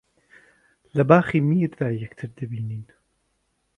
لە باخی میردا یەکتر دەبینن